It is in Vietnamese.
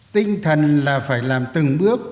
tinh thần là phải làm từng bước